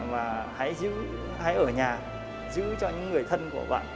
và hãy ở nhà giữ cho những người thân của bạn